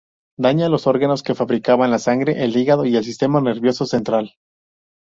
Daña los órganos que fabrican la sangre, el hígado y el sistema nervioso central.